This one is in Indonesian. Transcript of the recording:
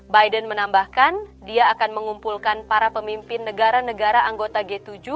biden menambahkan dia akan mengumpulkan para pemimpin negara negara anggota g tujuh